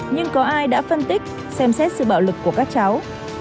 nhưng có ai đã phân tích xem xét sự bạo lực của các cháu